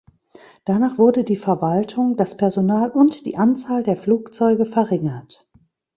Danach wurde die Verwaltung, das Personal und die Anzahl der Flugzeuge verringert.